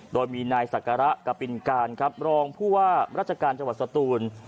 โดยมีนายศักระปินการครับรองผู้ว่าราชการจังหวัดสตูน